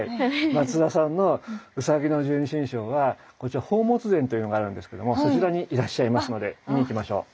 松田さんの卯の十二神将はこちら寶物殿というのがあるんですけどもそちらにいらっしゃいますので見に行きましょう。